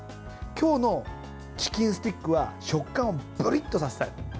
今日のチキンスティックは食感をぷりっとさせたい。